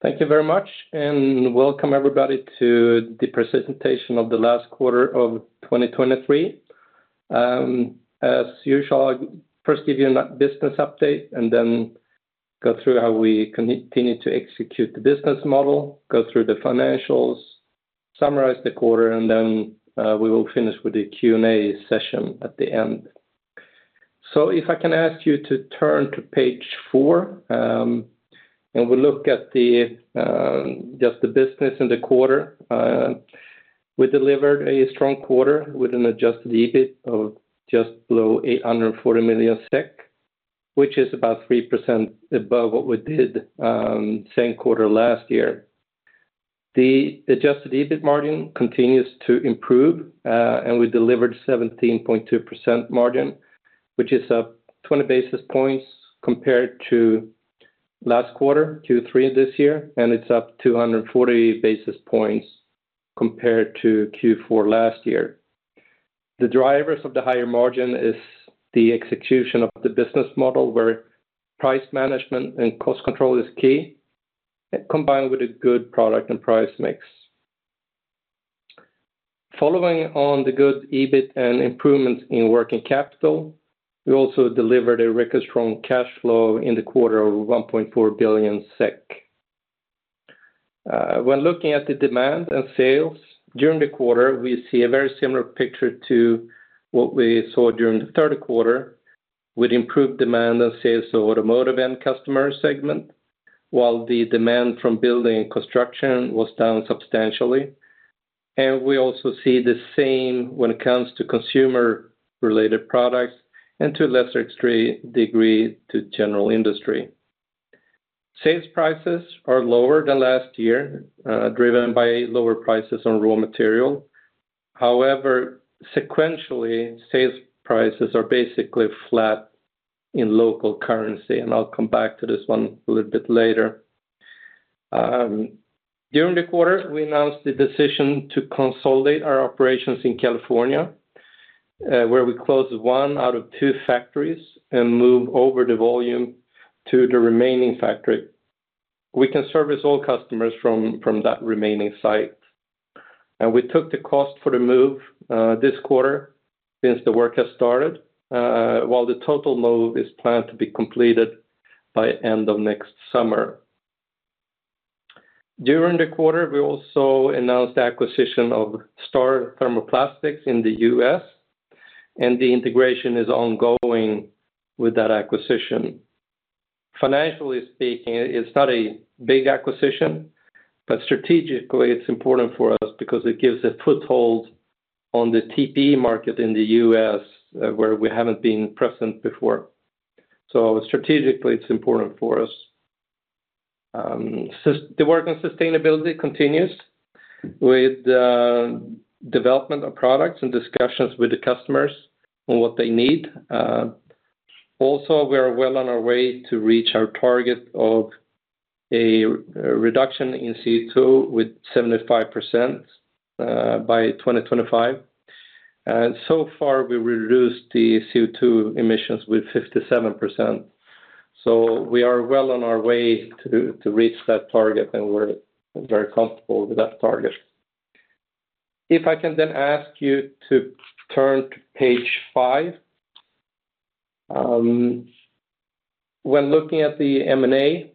Thank you very much, and welcome everybody to the presentation of the last quarter of 2023. As usual, I'll first give you an update on the business, and then go through how we continue to execute the business model, go through the financials, summarize the quarter, and then we will finish with the Q&A session at the end. So if I can ask you to turn to page 4, and we look at just the business in the quarter. We delivered a strong quarter with an Adjusted EBIT of just below 840 million SEK, which is about 3% above what we did, same quarter last year. The adjusted EBIT margin continues to improve, and we delivered 17.2% margin, which is up 20 basis points compared to last quarter, Q3 this year, and it's up 240 basis points compared to Q4 last year. The drivers of the higher margin is the execution of the business model, where price management and cost control is key, combined with a good product and price mix. Following on the good EBIT and improvements in working capital, we also delivered a record strong cash flow in the quarter of 1 billion SEK. When looking at the demand and sales, during the quarter, we see a very similar picture to what we saw during the third quarter, with improved demand and sales of automotive end customer segment, while the demand from building and construction was down substantially. We also see the same when it comes to consumer-related products and to a lesser extreme degree, to general industry. Sales prices are lower than last year, driven by lower prices on raw material. However, sequentially, sales prices are basically flat in local currency, and I'll come back to this one a little bit later. During the quarter, we announced the decision to consolidate our operations in California, where we closed one out of two factories and moved over the volume to the remaining factory. We can service all customers from that remaining site. We took the cost for the move, this quarter, since the work has started, while the total move is planned to be completed by end of next summer. During the quarter, we also announced the acquisition of Star Thermoplastics in the U.S., and the integration is ongoing with that acquisition. Financially speaking, it's not a big acquisition, but strategically, it's important for us because it gives a foothold on the TPE market in the U.S., where we haven't been present before. So strategically, it's important for us. The work on sustainability continues with development of products and discussions with the customers on what they need. Also, we are well on our way to reach our target of a reduction in CO2 with 75%, by 2025. And so far, we reduced the CO2 emissions with 57%. So we are well on our way to reach that target, and we're very comfortable with that target. If I can then ask you to turn to page 5. When looking at the M&A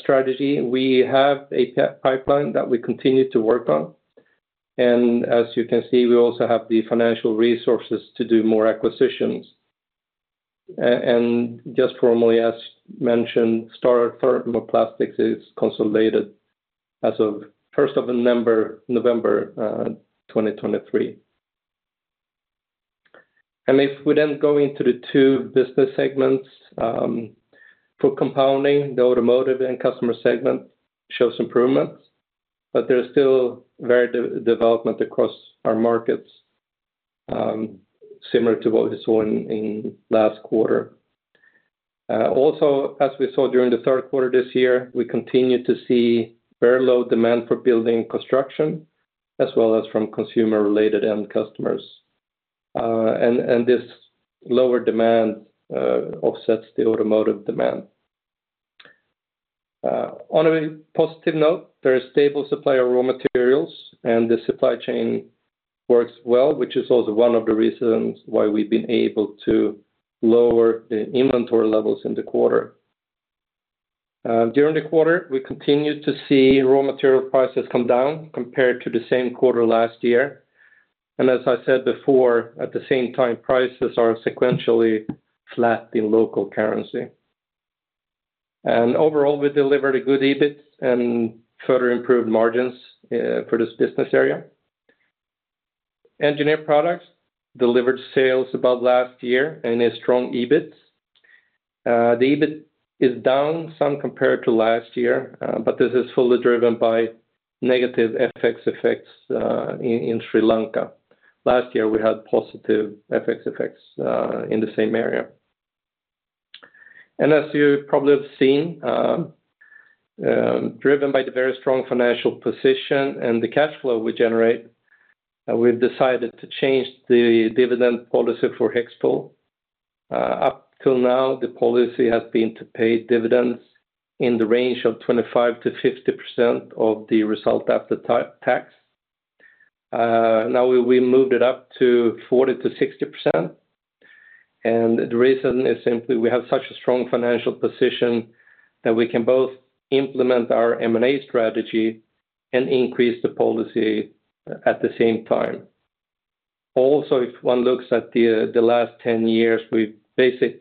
strategy, we have a pipeline that we continue to work on, and as you can see, we also have the financial resources to do more acquisitions. And just formally, as mentioned, Star Thermoplastics is consolidated as of first of November 2023. And if we then go into the 2 business segments, for compounding, the automotive and customer segment shows improvements, but there are still varied development across our markets, similar to what we saw in last quarter. Also, as we saw during the third quarter this year, we continued to see very low demand for building and construction, as well as from consumer-related end customers. And this lower demand offsets the automotive demand. On a positive note, there is stable supply of raw materials, and the supply chain works well, which is also one of the reasons why we've been able to lower the inventory levels in the quarter. During the quarter, we continued to see raw material prices come down compared to the same quarter last year. And as I said before, at the same time, prices are sequentially flat in local currency. And overall, we delivered a good EBIT and further improved margins for this business area. Engineered Products delivered sales above last year and a strong EBIT. The EBIT is down some compared to last year, but this is fully driven by negative FX effects in Sri Lanka. Last year, we had positive FX effects in the same area. As you probably have seen, driven by the very strong financial position and the cash flow we generate, we've decided to change the dividend policy for HEXPOL. Up till now, the policy has been to pay dividends in the range of 25% to 50% of the result after tax. Now we moved it up to 40% to 60%, and the reason is simply we have such a strong financial position that we can both implement our M&A strategy and increase the policy at the same time. Also, if one looks at the last 10 years, we've basically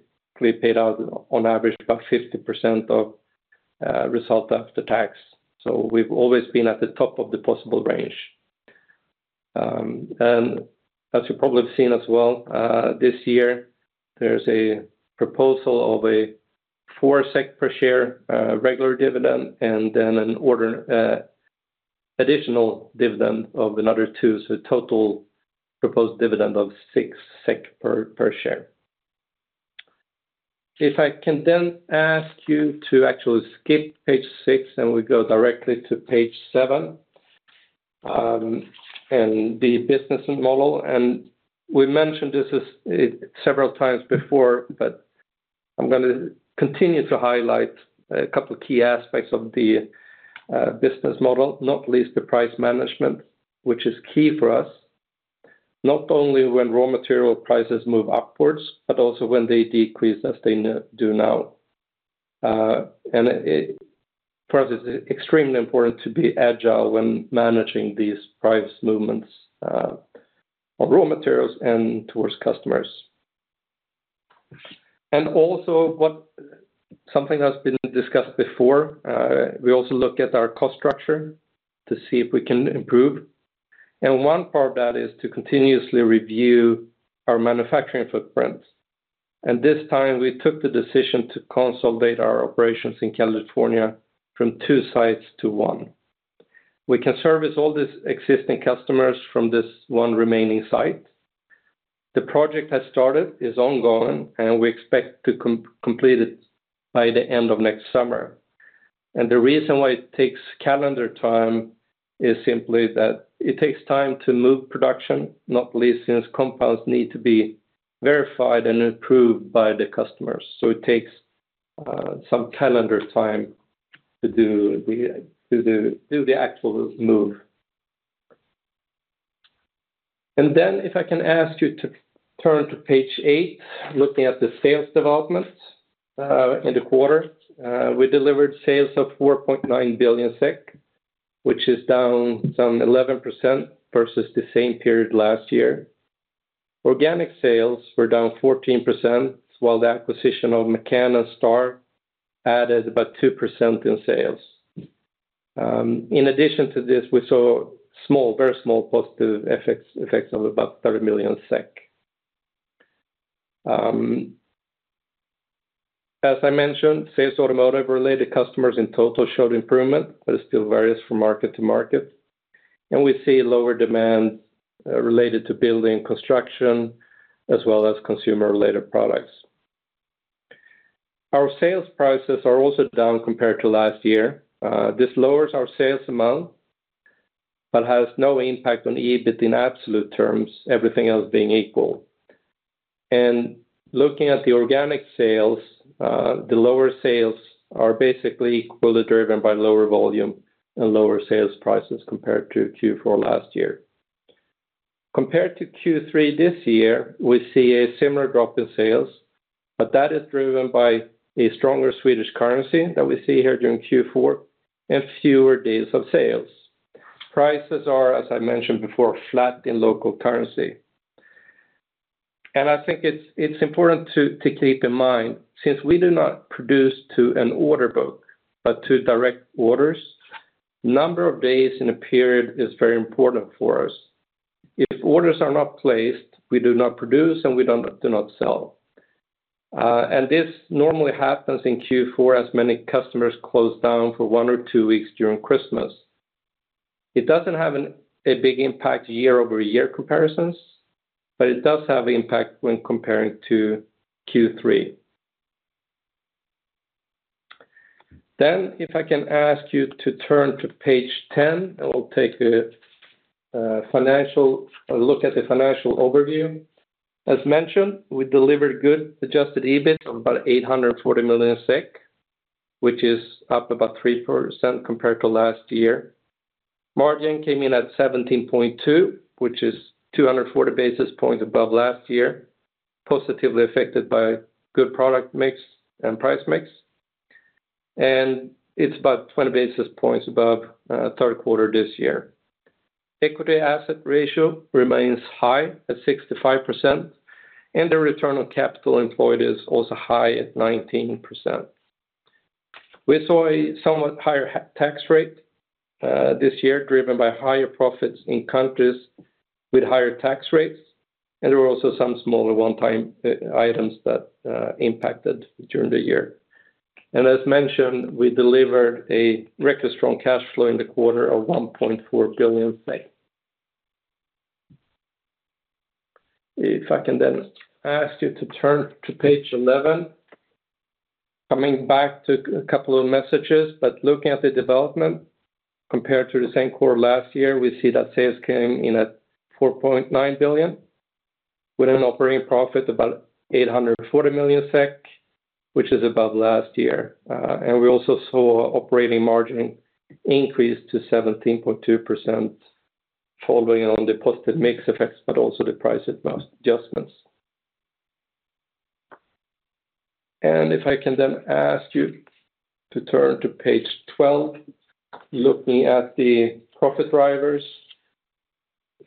paid out on average about 50% of result after tax, so we've always been at the top of the possible range. And as you probably have seen as well, this year, there's a proposal of 4 SEK per share regular dividend, and then an ordinary additional dividend of another 2, so total proposed dividend of 6 SEK per share. If I can then ask you to actually skip page 6, and we go directly to page 7, and the business model, and we mentioned this several times before, but I'm gonna continue to highlight a couple key aspects of the business model, not least the price management, which is key for us, not only when raw material prices move upwards, but also when they decrease, as they now do. And it for us, it's extremely important to be agile when managing these price movements on raw materials and towards customers. Also, as has been discussed before, we also look at our cost structure to see if we can improve. One part of that is to continuously review our manufacturing footprints, and this time, we took the decision to consolidate our operations in California from two sites to one. We can service all the existing customers from this one remaining site. The project has started, is ongoing, and we expect to complete it by the end of next summer. The reason why it takes calendar time is simply that it takes time to move production, not least since compounds need to be verified and approved by the customers, so it takes some calendar time to do the actual move. Then, if I can ask you to turn to page eight, looking at the sales development in the quarter. We delivered sales of 4.9 billion SEK, which is down 11% versus the same period last year. Organic sales were down 14%, while the acquisition of McCann and Star added about 2% in sales. In addition to this, we saw small, very small positive effects of about 30 million SEK. As I mentioned, sales automotive-related customers in total showed improvement, but it still varies from market to market. We see lower demand related to building construction, as well as consumer-related products. Our sales prices are also down compared to last year. This lowers our sales amount, but has no impact on the EBIT in absolute terms, everything else being equal. Looking at the organic sales, the lower sales are basically equally driven by lower volume and lower sales prices compared to Q4 last year. Compared to Q3 this year, we see a similar drop in sales, but that is driven by a stronger Swedish currency that we see here during Q4, and fewer days of sales. Prices are, as I mentioned before, flat in local currency. I think it's important to keep in mind, since we do not produce to an order book, but to direct orders, number of days in a period is very important for us. If orders are not placed, we do not produce, and we do not sell. This normally happens in Q4, as many customers close down for one or two weeks during Christmas. It doesn't have a big impact year-over-year comparisons, but it does have impact when comparing to Q3. If I can ask you to turn to page 10, and we'll take a financial look at the financial overview. As mentioned, we delivered good Adjusted EBIT of about 840 million SEK, which is up about 3% compared to last year. Margin came in at 17.2%, which is 240 basis points above last year, positively affected by good product mix and price mix, and it's about 20 basis points above third quarter this year. Equity asset ratio remains high at 65%, and the return on capital employed is also high at 19%. We saw a somewhat higher tax rate this year, driven by higher profits in countries with higher tax rates, and there were also some smaller one-time items that impacted during the year. As mentioned, we delivered a record strong cash flow in the quarter of 1.4 billion. If I can then ask you to turn to page 11. Coming back to a couple of messages, but looking at the development compared to the same quarter last year, we see that sales came in at 4.9 billion, with an operating profit about 840 million SEK, which is above last year. And we also saw operating margin increase to 17.2%, following on the posted mix effects, but also the price adjustments. And if I can then ask you to turn to page 12, looking at the profit drivers.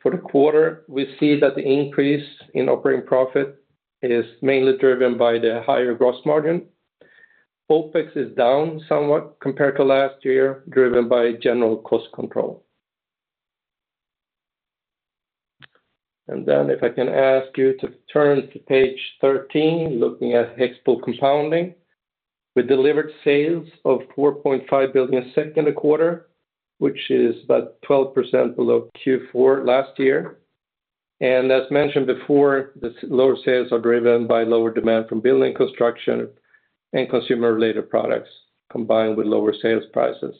For the quarter, we see that the increase in operating profit is mainly driven by the higher gross margin. OPEX is down somewhat compared to last year, driven by general cost control. And then if I can ask you to turn to page 13, looking at HEXPOL Compounding, we delivered sales of 4.5 billion in the quarter, which is about 12% below Q4 last year. And as mentioned before, the lower sales are driven by lower demand from building construction and consumer-related products, combined with lower sales prices.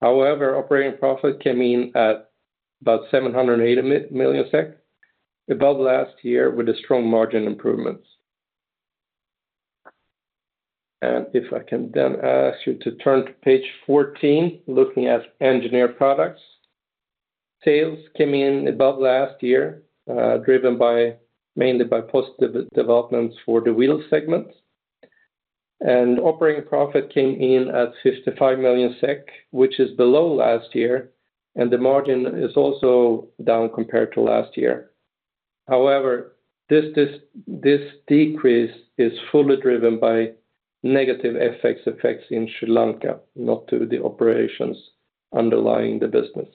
However, operating profit came in at about 780 million SEK, above last year, with strong margin improvements. And if I can then ask you to turn to page 14, looking at Engineered Products. Sales came in above last year, driven by, mainly by positive developments for the wheel segment. And operating profit came in at 55 million SEK, which is below last year, and the margin is also down compared to last year. However, this decrease is fully driven by negative FX effects in Sri Lanka, not to the operations underlying the business.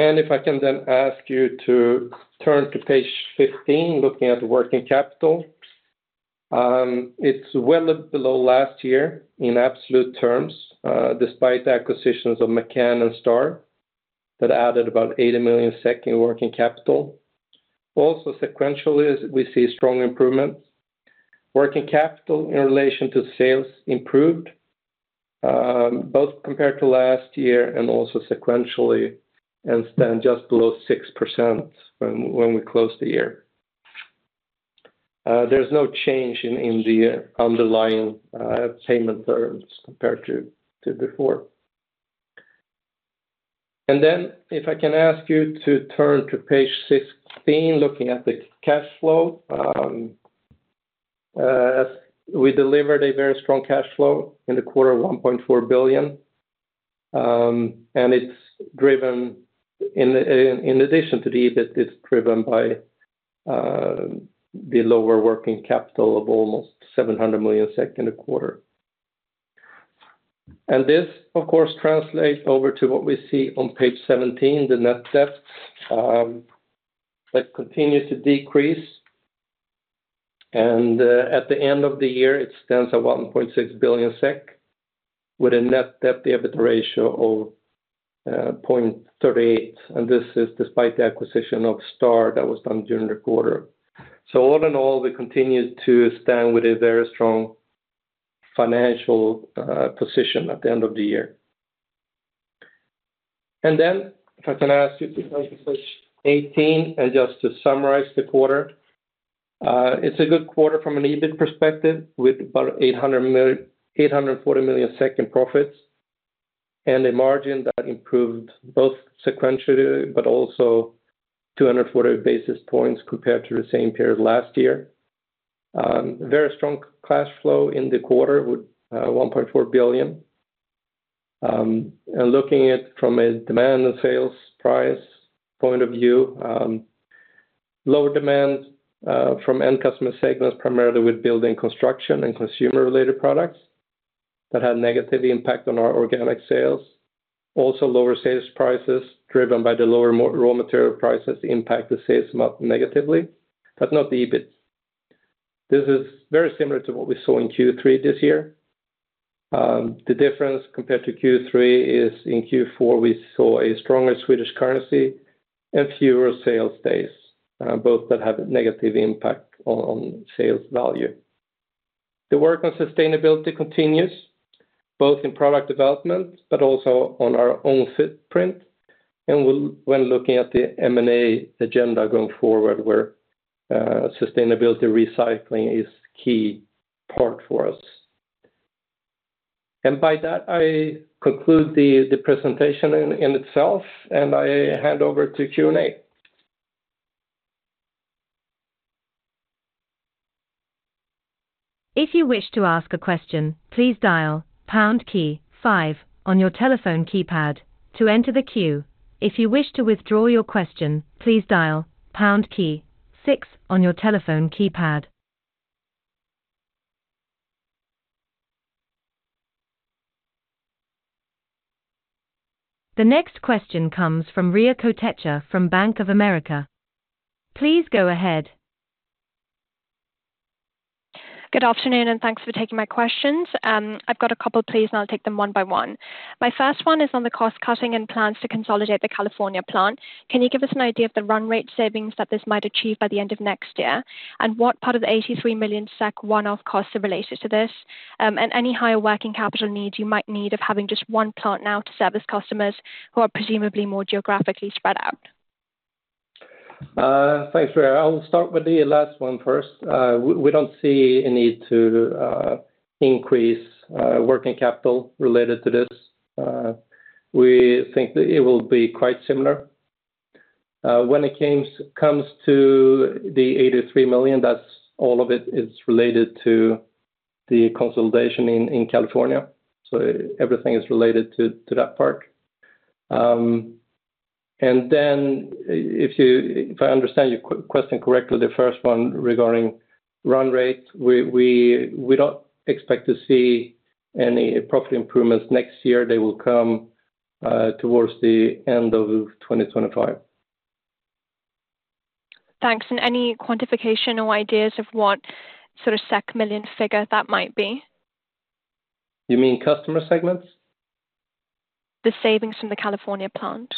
And if I can then ask you to turn to page 15, looking at working capital. It's well below last year in absolute terms, despite acquisitions of McCann and Star, that added about 80 million in working capital. Also, sequentially, we see strong improvements. Working capital in relation to sales improved, both compared to last year and also sequentially, and stand just below 6% when we close the year. There's no change in the underlying payment terms compared to before. And then if I can ask you to turn to page 16, looking at the cash flow. As we delivered a very strong cash flow in the quarter, 1.4 billion, and it's driven in addition to the EBIT, it's driven by the lower working capital of almost 700 million SEK in the quarter. And this, of course, translates over to what we see on page 17, the net debt that continues to decrease, and at the end of the year, it stands at 1.6 billion SEK, with a net debt to EBIT ratio of 0.38, and this is despite the acquisition of Star that was done during the quarter. So all in all, we continued to stand with a very strong financial position at the end of the year. And then if I can ask you to go to page 18, and just to summarize the quarter. It's a good quarter from an EBIT perspective, with about 840 million SEK in profits, and a margin that improved both sequentially, but also 240 basis points compared to the same period last year. Very strong cash flow in the quarter, with 1.4 billion SEK. And looking at from a demand and sales price point of view, lower demand from end customer segments, primarily with building construction and consumer-related products, that had a negative impact on our organic sales. Also, lower sales prices, driven by the lower raw material prices, impact the sales amount negatively, but not the EBIT. This is very similar to what we saw in Q3 this year. The difference compared to Q3 is in Q4, we saw a stronger Swedish currency and fewer sales days, both that have a negative impact on sales value. The work on sustainability continues, both in product development, but also on our own footprint, and when looking at the M&A agenda going forward, where sustainability, recycling is key part for us. And by that, I conclude the presentation in itself, and I hand over to Q&A. If you wish to ask a question, please dial pound key five on your telephone keypad to enter the queue. If you wish to withdraw your question, please dial pound key six on your telephone keypad. The next question comes from Riya Kotecha from Bank of America. Please go ahead. ... Good afternoon, and thanks for taking my questions. I've got a couple, please, and I'll take them one by one. My first one is on the cost-cutting and plans to consolidate the California plant. Can you give us an idea of the run rate savings that this might achieve by the end of next year? And what part of the 83 million SEK one-off costs are related to this, and any higher working capital needs you might need of having just one plant now to service customers who are presumably more geographically spread out? Thanks, Riya. I will start with the last one first. We don't see a need to increase working capital related to this. We think that it will be quite similar. When it comes to the 83 million, that's all of it is related to the consolidation in California, so everything is related to that part. And then if you, if I understand your question correctly, the first one regarding run rate, we don't expect to see any profit improvements next year. They will come towards the end of 2025. Thanks. Any quantification or ideas of what sort of million figure that might be? You mean customer segments? The savings from the California plant.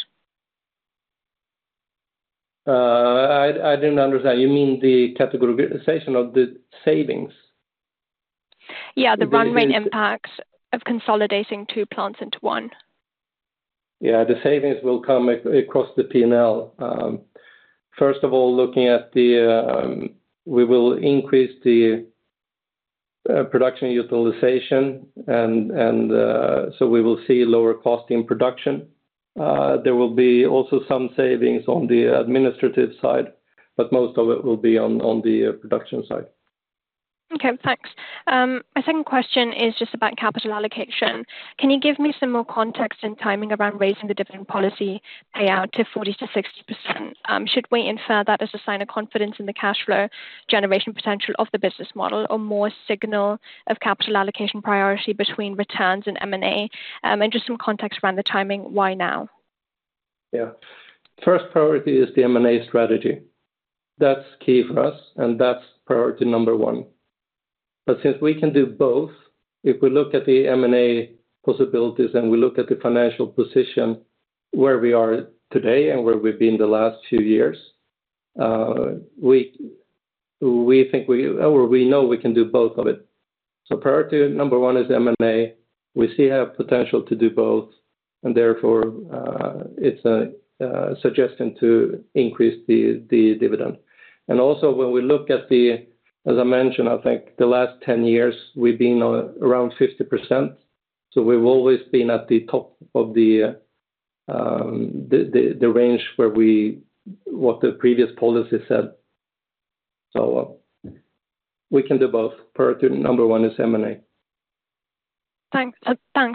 I didn't understand. You mean the categorization or the savings? Yeah, the run rate impacts of consolidating two plants into one. Yeah, the savings will come across the P&L. First of all, looking at the... We will increase the production utilization and, and, so we will see lower cost in production. There will be also some savings on the administrative side, but most of it will be on, on the production side. Okay, thanks. My second question is just about capital allocation. Can you give me some more context and timing around raising the dividend policy payout to 40% to 60%? Should we infer that as a sign of confidence in the cash flow generation potential of the business model, or more signal of capital allocation priority between returns and M&A? And just some context around the timing, why now? Yeah. First priority is the M&A strategy. That's key for us, and that's priority number 1. But since we can do both, if we look at the M&A possibilities and we look at the financial position where we are today and where we've been the last 2 years, we think we, or we know we can do both of it. So priority number 1 is M&A. We still have potential to do both, and therefore, it's a suggestion to increase the dividend. And also, when we look at the, as I mentioned, I think the last 10 years, we've been on around 50%, so we've always been at the top of the range where we... What the previous policy said. So we can do both. Priority number 1 is M&A. Thanks. Thanks.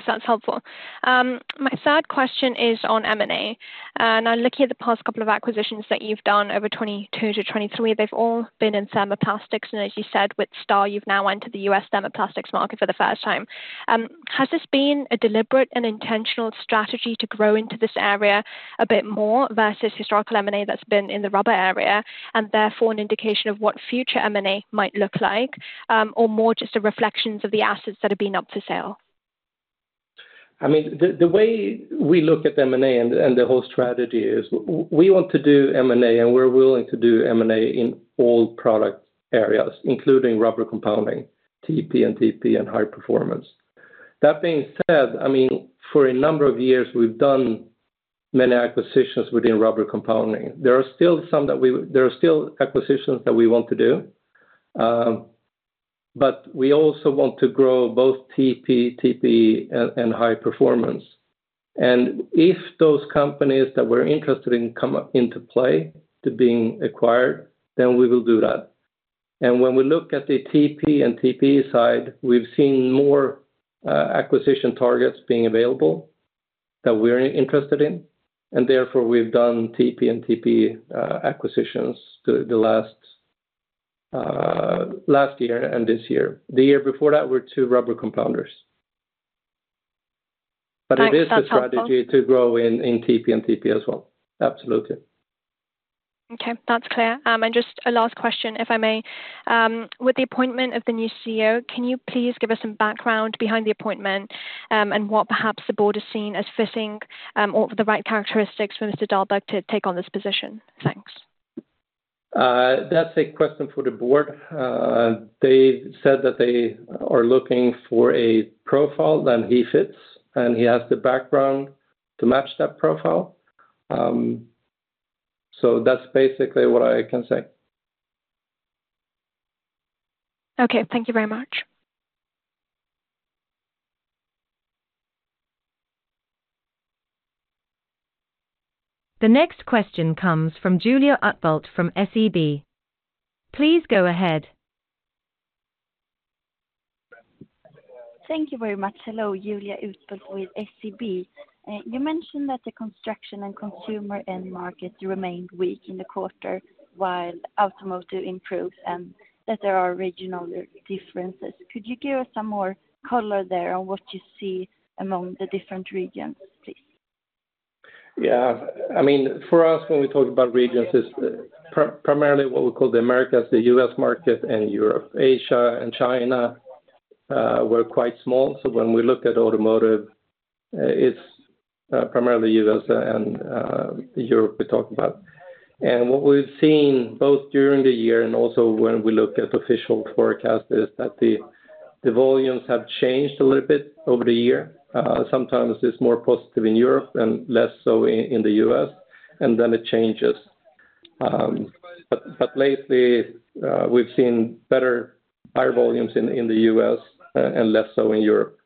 That's helpful. My third question is on M&A, and I'm looking at the past couple of acquisitions that you've done over 2022 to 2023. They've all been in thermoplastics, and as you said, with Star, you've now entered the U.S. thermoplastics market for the first time. Has this been a deliberate and intentional strategy to grow into this area a bit more versus historical M&A that's been in the rubber area, and therefore an indication of what future M&A might look like, or more just a reflection of the assets that have been up for sale? I mean, the way we look at M&A and the whole strategy is we want to do M&A, and we're willing to do M&A in all product areas, including rubber compounding, TPE and TP, and high performance. That being said, I mean, for a number of years, we've done many acquisitions within rubber compounding. There are still acquisitions that we want to do, but we also want to grow both TPE, TPE, and high performance. And if those companies that we're interested in come into play to being acquired, then we will do that. And when we look at the TPE and TP side, we've seen more acquisition targets being available that we're interested in, and therefore, we've done TPE and TP acquisitions the last year and this year. The year before that were two rubber compounders. Thanks. But it is a strategy to grow in TPE and TP as well. Absolutely. Okay, that's clear. Just a last question, if I may. With the appointment of the new CEO, can you please give us some background behind the appointment, and what perhaps the board is seen as fitting, or the right characteristics for Mr. Dahlberg to take on this position? Thanks. That's a question for the board. They said that they are looking for a profile that he fits, and he has the background to match that profile. So that's basically what I can say. Okay. Thank you very much. The next question comes from Julia Utbult from SEB. Please go ahead. Thank you very much. Hello, Julia Utbult with SEB. You mentioned that the construction and consumer end market remained weak in the quarter, while automotive improved and that there are regional differences. Could you give us some more color there on what you see among the different regions, please? ... Yeah, I mean, for us, when we talk about regions, it's primarily what we call the Americas, the US market, and Europe. Asia, and China, were quite small. So when we look at automotive, it's primarily US and Europe we talk about. And what we've seen both during the year and also when we look at official forecast, is that the volumes have changed a little bit over the year. Sometimes it's more positive in Europe and less so in the US, and then it changes. But lately, we've seen better, higher volumes in the US, and less so in Europe.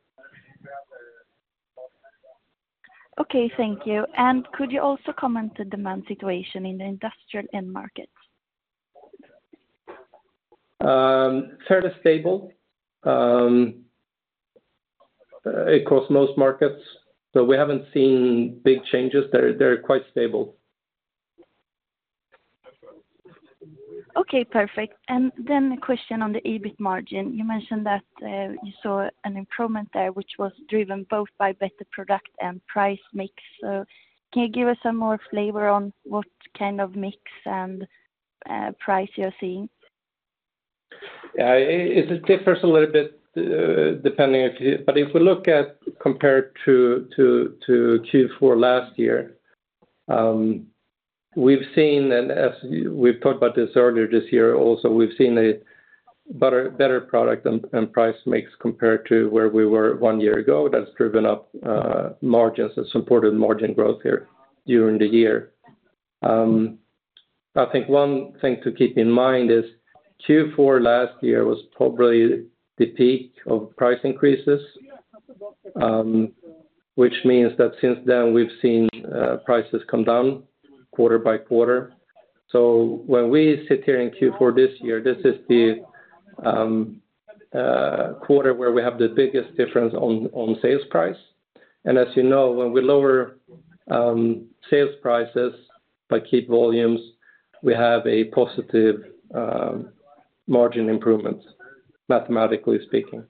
Okay, thank you. And could you also comment the demand situation in the industrial end markets? Fairly stable across most markets, so we haven't seen big changes. They're quite stable. Okay, perfect. And then a question on the EBIT margin. You mentioned that you saw an improvement there, which was driven both by better product and price mix. So can you give us some more flavor on what kind of mix and price you're seeing? Yeah, it differs a little bit depending if you—but if we look at compared to Q4 last year, we've seen, and as we've talked about this earlier this year also, we've seen a better product and price mix compared to where we were one year ago. That's driven up margins and supported margin growth here during the year. I think one thing to keep in mind is Q4 last year was probably the peak of price increases, which means that since then, we've seen prices come down quarter by quarter. So when we sit here in Q4 this year, this is the quarter where we have the biggest difference on sales price. And as you know, when we lower sales prices by keep volumes, we have a positive margin improvement, mathematically speaking.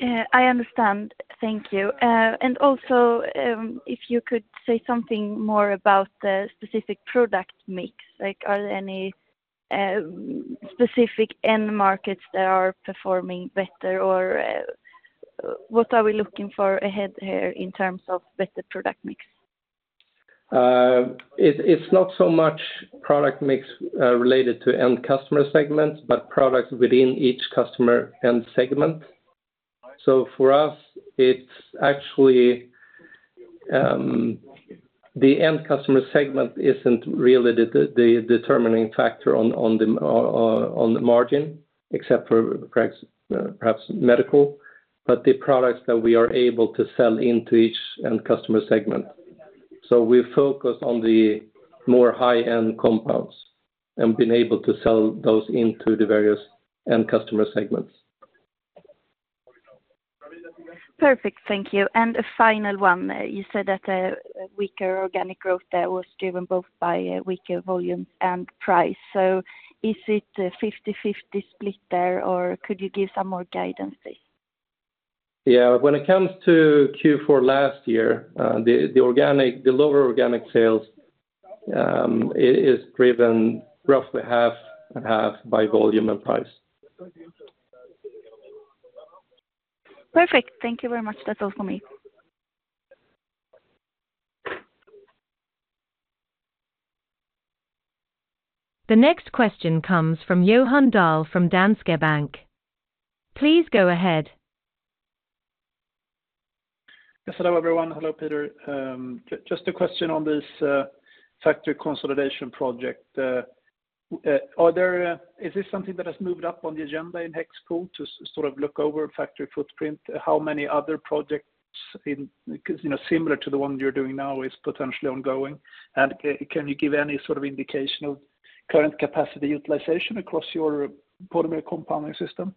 Yeah, I understand. Thank you. And also, if you could say something more about the specific product mix. Like, are there any specific end markets that are performing better, or what are we looking for ahead here in terms of better product mix? It's not so much product mix related to end customer segments, but products within each customer end segment. So for us, it's actually the end customer segment isn't really the determining factor on the margin, except for perhaps medical, but the products that we are able to sell into each end customer segment. So we focus on the more high-end compounds, and been able to sell those into the various end customer segments. Perfect. Thank you. A final one, you said that weaker organic growth there was driven both by weaker volume and price. Is it a 50/50 split there, or could you give some more guidance there? Yeah, when it comes to Q4 last year, the lower organic sales is driven roughly half and half by volume and price. Perfect. Thank you very much. That's all for me. The next question comes from Johan Dahl from Danske Bank. Please go ahead. Yes, hello, everyone. Hello, Peter. Just a question on this factory consolidation project. Are there, is this something that has moved up on the agenda in HEXPOL to sort of look over factory footprint? How many other projects in, you know, similar to the one you're doing now, is potentially ongoing? And can you give any sort of indication of current capacity utilization across your polymer compounding system?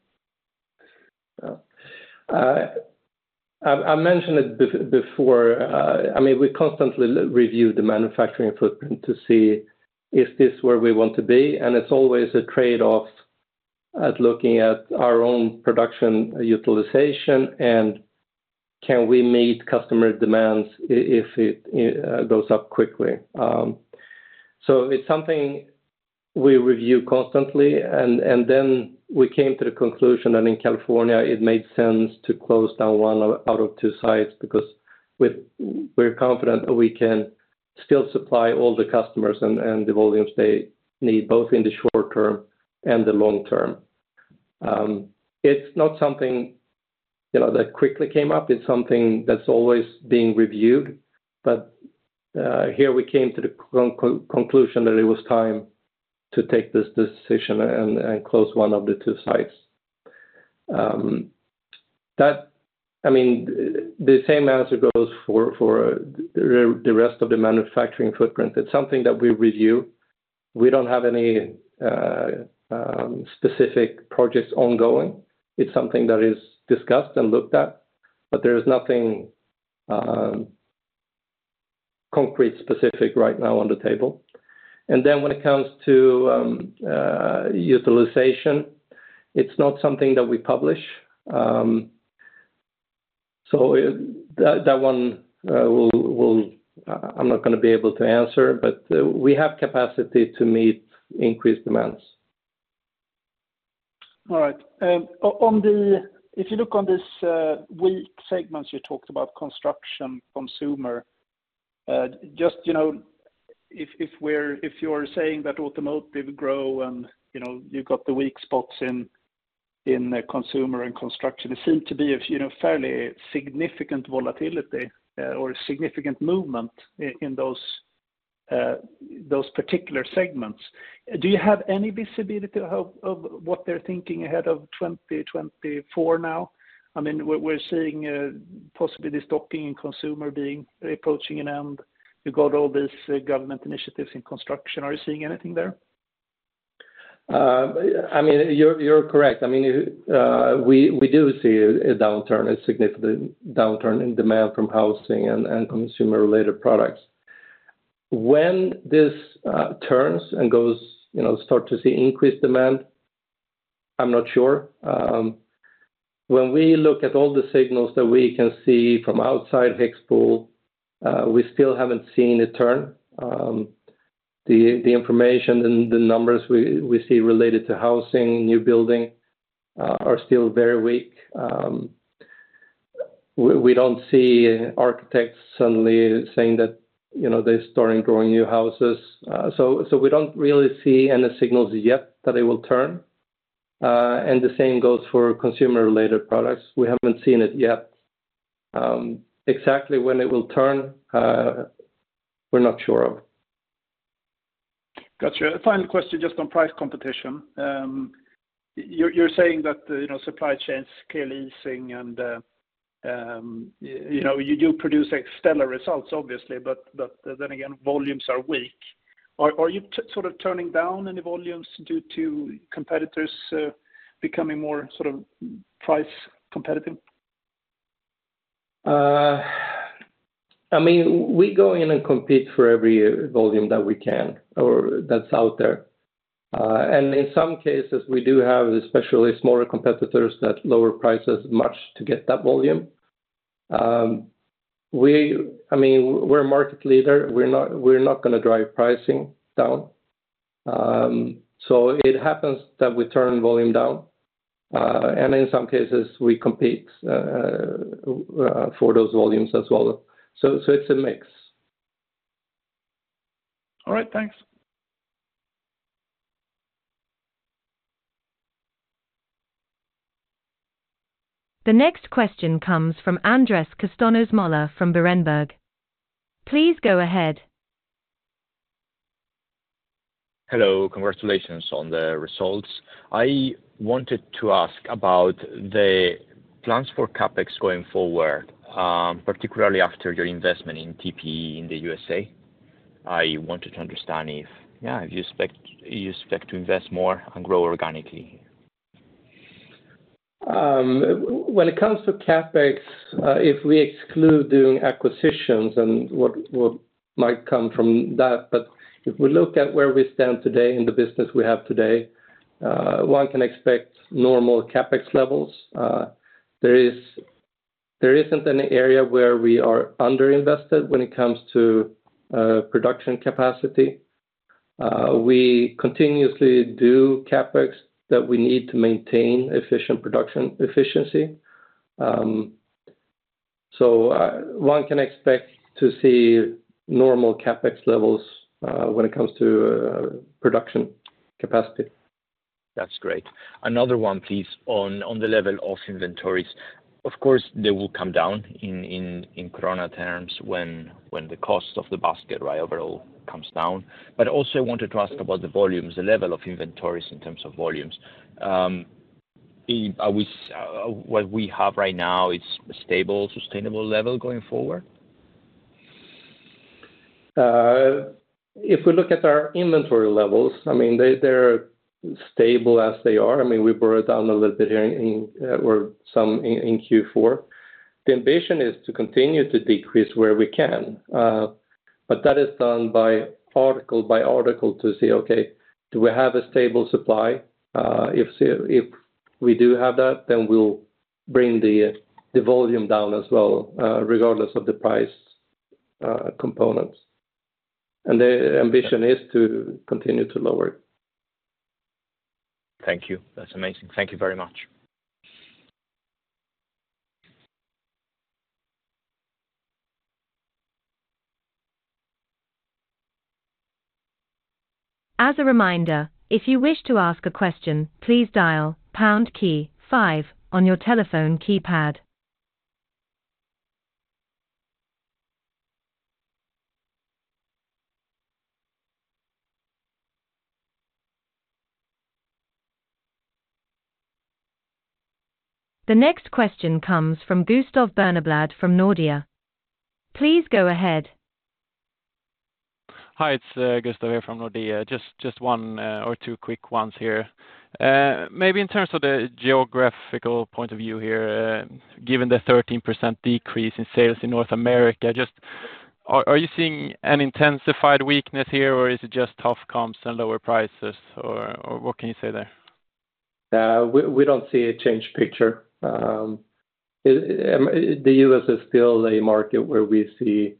I mentioned it before. I mean, we constantly review the manufacturing footprint to see is this where we want to be, and it's always a trade-off at looking at our own production utilization and can we meet customer demands if it goes up quickly. So it's something we review constantly, and then we came to the conclusion that in California, it made sense to close down one out of two sites, because we're confident that we can still supply all the customers and the volumes they need, both in the short term and the long term. It's not something, you know, that quickly came up. It's something that's always being reviewed, but here we came to the conclusion that it was time to take this decision and close one of the two sites. I mean, the same answer goes for the rest of the manufacturing footprint. It's something that we review. We don't have any specific projects ongoing. It's something that is discussed and looked at, but there is nothing concrete specific right now on the table. And then when it comes to utilization, it's not something that we publish. So, that one, I'm not gonna be able to answer, but we have capacity to meet increased demands. All right. On the weak segments, if you look on this weak segments, you talked about construction, consumer, just, you know, if you're saying that automotive grow and, you know, you've got the weak spots in consumer and construction, it seem to be a, you know, fairly significant volatility or significant movement in those particular segments. Do you have any visibility of what they're thinking ahead of 2024 now? I mean, we're seeing possibly the stopping in consumer being approaching an end. You got all these government initiatives in construction. Are you seeing anything there? I mean, you're correct. I mean, we do see a significant downturn in demand from housing and consumer-related products. When this turns and goes, you know, start to see increased demand, I'm not sure. When we look at all the signals that we can see from outside HEXPOL, we still haven't seen a turn. The information and the numbers we see related to housing, new building, are still very weak. We don't see architects suddenly saying that, you know, they're starting drawing new houses. So, we don't really see any signals yet that it will turn. And the same goes for consumer-related products. We haven't seen it yet. Exactly when it will turn, we're not sure of. Got you. Final question, just on price competition. You're saying that, you know, supply chains clear leasing and, you know, you do produce stellar results, obviously, but then again, volumes are weak. Are you sort of turning down any volumes due to competitors becoming more sort of price competitive? I mean, we go in and compete for every volume that we can or that's out there. And in some cases, we do have, especially smaller competitors, that lower prices much to get that volume. I mean, we're a market leader. We're not, we're not gonna drive pricing down. So it happens that we turn volume down, and in some cases, we compete for those volumes as well. So it's a mix. All right, thanks. The next question comes from Andres Castanos Molla from Berenberg. Please go ahead. Hello, congratulations on the results. I wanted to ask about the plans for CapEx going forward, particularly after your investment in TPE in the USA. I wanted to understand if, yeah, if you expect, you expect to invest more and grow organically. When it comes to CapEx, if we exclude doing acquisitions and what might come from that, but if we look at where we stand today in the business we have today, one can expect normal CapEx levels. There isn't an area where we are underinvested when it comes to production capacity. We continuously do CapEx that we need to maintain efficient production efficiency. So, one can expect to see normal CapEx levels when it comes to production capacity. That's great. Another one, please, on the level of inventories. Of course, they will come down in krona terms when the cost of the basket, right, overall comes down. But I also wanted to ask about the volumes, the level of inventories in terms of volumes. Are we, what we have right now, it's a stable, sustainable level going forward? If we look at our inventory levels, I mean, they're stable as they are. I mean, we brought it down a little bit here in Q4. The ambition is to continue to decrease where we can, but that is done by article, by article to say, "Okay, do we have a stable supply?" If so—if we do have that, then we'll bring the volume down as well, regardless of the price components. And the ambition is to continue to lower it. Thank you. That's amazing. Thank you very much. As a reminder, if you wish to ask a question, please dial pound key five on your telephone keypad. The next question comes from Gustav Berneblad from Nordea. Please go ahead. Hi, it's Gustav here from Nordea. Just one or two quick ones here. Maybe in terms of the geographical point of view here, given the 13% decrease in sales in North America, just are you seeing an intensified weakness here, or is it just tough comps and lower prices, or what can you say there? We don't see a changed picture. The U.S. is still a market where we see,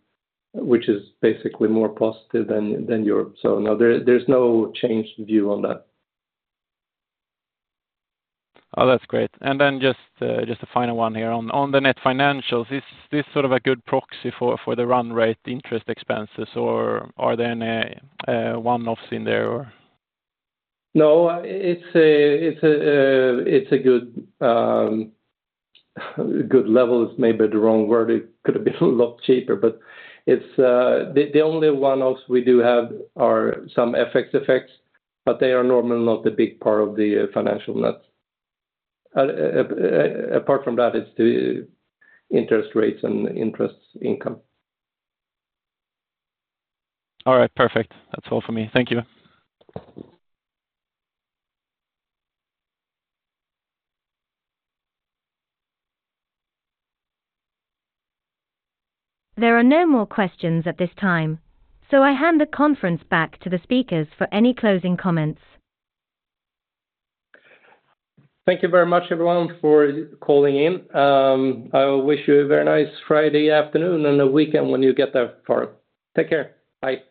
which is basically more positive than Europe. So no, there's no changed view on that. Oh, that's great. And then just, just a final one here. On, on the net financials, is this sort of a good proxy for, for the run rate, interest expenses, or are there any, one-offs in there or? No, it's a good level, maybe the wrong word. It could have been a lot cheaper, but it's the only one-offs we do have are some FX effects, but they are normally not a big part of the financial net. Apart from that, it's the interest rates and interest income. All right, perfect. That's all for me. Thank you. There are no more questions at this time, so I hand the conference back to the speakers for any closing comments. Thank you very much, everyone, for calling in. I wish you a very nice Friday afternoon and a weekend when you get that far. Take care. Bye.